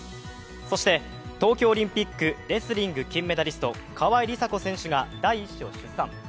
そして東京オリンピックレスリング金メダリスト、川井梨紗子選手が第１子を出産。